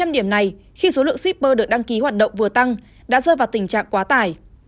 mà tám trăm linh điểm này khi số lượng shipper được đăng ký hoạt động vừa tăng đã rơi vào tình trạng quá tải